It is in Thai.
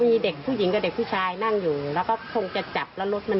มีเด็กผู้หญิงกับเด็กผู้ชายนั่งอยู่แล้วก็คงจะจับแล้วรถมัน